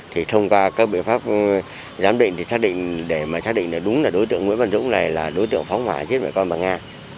thông qua các biện pháp giám định để xác định đúng là đối tượng nguyễn văn dũng là đối tượng phóng hỏa giết mẹ con bà nga